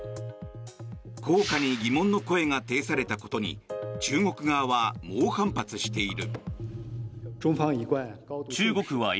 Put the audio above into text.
効果に疑問の声が呈されたことに中国側は猛反発している。